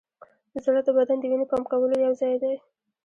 زړه د بدن د وینې پمپ کولو یوځای دی.